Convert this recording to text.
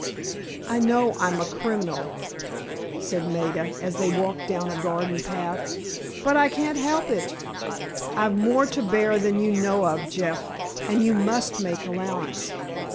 "I know I'm a criminal," said Maida, as they walked down a garden path; "but I can't help it. I've more to bear than you know of, Jeff, and you must make allowance."